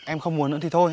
em không muốn nữa thì thôi